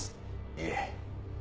いえ。